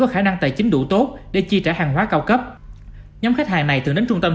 có khả năng tài chính đủ tốt để chi trả hàng hóa cao cấp nhóm khách hàng này thường đến trung tâm